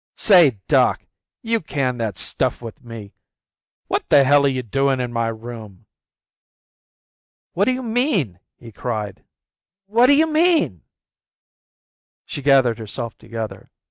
"Say, doc, you can that stuff with me. What the hell are you doin' in my room?" "What do you mean?" he cried. "What d'you mean?" She gathered herself together.